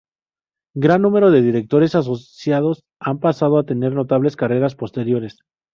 Gran número de Directores Asociados han pasado a tener notables carreras posteriores.